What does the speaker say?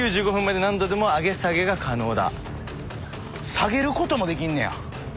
下げることもできんねや。